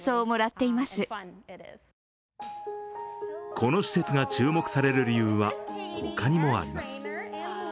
この施設が注目される理由は、ほかにもあります。